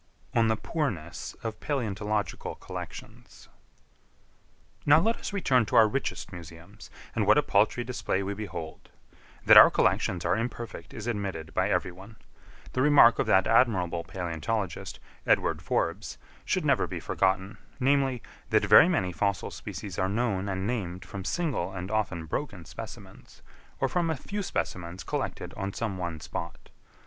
On the Poorness of Palæontological Collections. Now let us turn to our richest museums, and what a paltry display we behold! That our collections are imperfect is admitted by every one. The remark of that admirable palæontologist, Edward Forbes, should never be forgotten, namely, that very many fossil species are known and named from single and often broken specimens, or from a few specimens collected on some one spot.